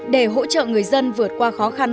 để hỗ trợ người dân vượt qua khó khăn